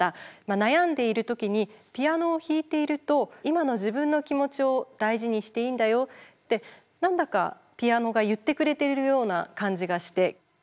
悩んでいる時にピアノを弾いていると今の自分の気持ちを大事にしていいんだよって何だかピアノが言ってくれているような感じがして。